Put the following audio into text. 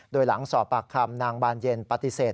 โดยหลังสอบปากคำนางบานเย็นปฏิเสธ